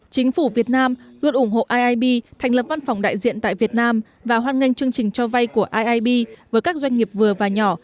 chính phủ việt nam luôn ủng hộ iib thành lập văn phòng đại diện tại việt nam và hoan nghênh chương trình cho vay của iib với các doanh nghiệp vừa và nhỏ